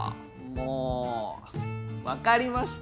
もうわかりました！